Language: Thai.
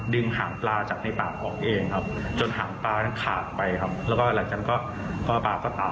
ลงไปลึกมากเลยครับ